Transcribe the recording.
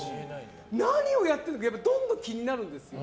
何をやってるのかどんどん気になるんです。